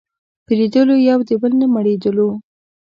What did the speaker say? په لیدلو یو د بل نه مړېدلو